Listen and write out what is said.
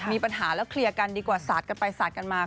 มีปัญหาแล้วเคลียร์กันดีกว่าสาดกันไปสาดกันมา